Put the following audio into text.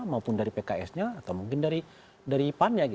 maupun dari pks nya atau mungkin dari pan nya